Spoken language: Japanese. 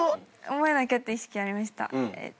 覚えなきゃって意識ありました。